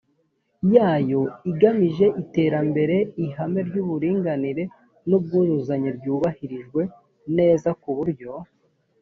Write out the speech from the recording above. yayo igamije iterambere ihame ry uburinganire n ubwuzuzanye ryubahirijwe neza ku buryo